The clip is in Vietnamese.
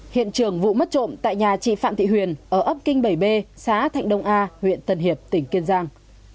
hiện trường vụ mất trộm tại nhà chị phạm thị huyền ở ấp kinh bảy b xã thạnh đông a huyện tân hiệp tỉnh kiên giang